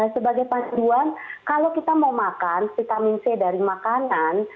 sebagai panduan kalau kita mau makan vitamin c dari makanan